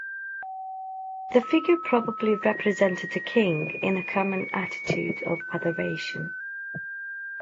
The figure probably represented the king in a common attitude of adoration.